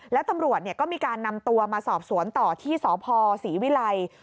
แล้วตำรวจก็มีการนำตัวมาสอบสวนต่อที่สพศรีวิลัย